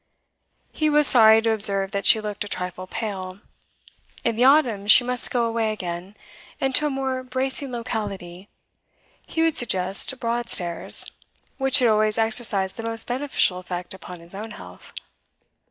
He was sorry to observe that she looked a trifle pale; in the autumn she must go away again, and to a more bracing locality he would suggest Broadstairs, which had always exercised the most beneficial effect upon his own health.